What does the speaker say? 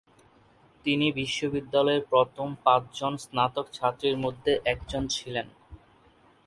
তিনি বিশ্ববিদ্যালয়ের প্রথম পাঁচজন স্নাতক ছাত্রীর মধ্যে একজন ছিলেন।